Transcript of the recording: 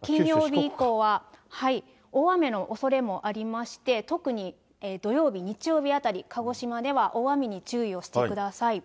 金曜日以降は大雨のおそれもありまして、特に土曜日、日曜日あたり、鹿児島では大雨に注意をしてください。